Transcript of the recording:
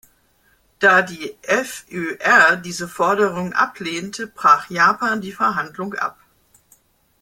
Da die FÖR diese Forderungen ablehnte, brach Japan die Verhandlungen ab.